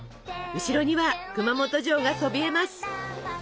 後ろには熊本城がそびえます！